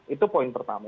itu poin pertama